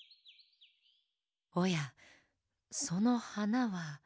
おやそのはなは。